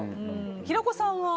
平子さんは？